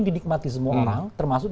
didikmati semua orang termasuk